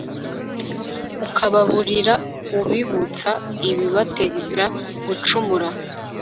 ukababurira, ubibutsa ibibatera gucumura